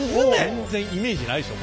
全然イメージないでしょ